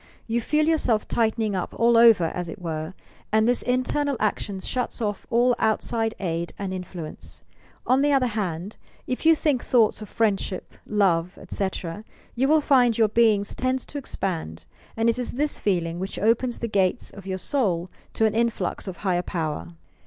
You feel yourself tightening up all over, as it were, and this iuternal action shuts off all outside aid and influence. On the other hand, if you think thoughts of friendship, love, etc., you will find your being tends to expand, and it is this feeling which opens the gates of your soul to an influx of higher power.